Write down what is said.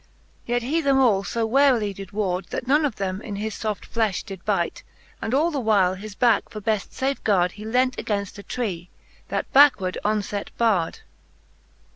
Yet he them all fo warily did ward, That none of them in his foft flefh did bite, And all the while his backe for beft fafegard, He lent againft a tree, that backeward onfet bard.